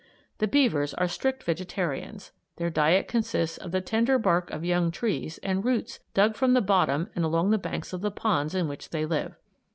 The beavers are strict vegetarians. Their diet consists of the tender bark of young trees and roots dug from the bottom and along the banks of the ponds in which they live.